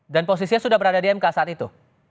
dan posisinya sudah berada di mk saat itu